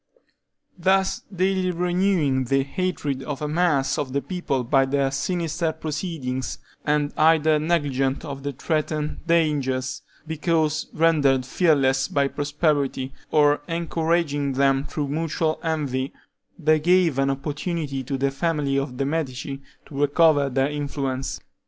Thus daily renewing the hatred of a mass of the people by their sinister proceedings, and either negligent of the threatened dangers, because rendered fearless by prosperity, or encouraging them through mutual envy, they gave an opportunity to the family of the Medici to recover their influence.